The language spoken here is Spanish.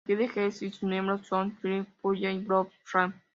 A parte de Jeezy, sus miembros son Slick Pulla y Blood Raw.